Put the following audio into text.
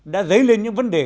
đã dấy lên những vấn đề